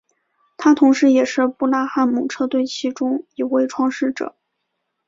他同时也是布拉汉姆车队其中一位创始者。